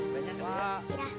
pak ini buat papa makan